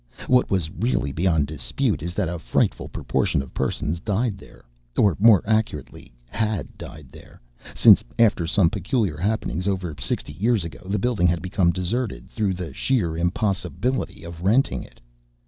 What was really beyond dispute is that a frightful proportion of persons died there; or more accurately, had died there, since after some peculiar happenings over sixty years ago the building had become deserted through the sheer impossibility of renting it.